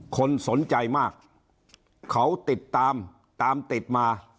คนสนใจมากเขาติดตามตามติดมา